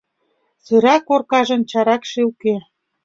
Сыра коркажын чаракше уке.